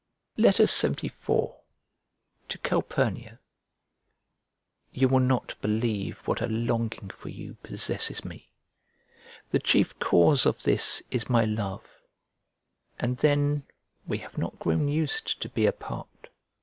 LXXIV To CALPURNIA You will not believe what a longing for you possesses me. The chief cause of this is my love; and then we have not grown used to be apart.